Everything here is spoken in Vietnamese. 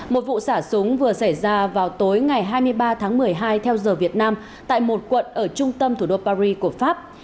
một vụ xả súng vừa xảy ra vào tối ngày hai mươi ba tháng một mươi hai theo giờ việt nam tại một quận ở trung tâm thủ đô paris của pháp